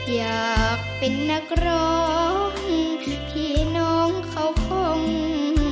อยากเป็นนักร้องพี่น้องเขาคง